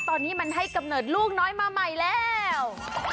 ตอนนี้มันให้กำเนิดลูกน้อยมาใหม่แล้ว